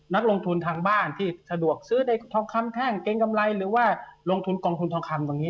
นักลงทุนทางบ้านที่สะดวกซื้อได้ทองคำแท่งเกรงกำไรหรือว่าลงทุนกองทุนทองคำตรงนี้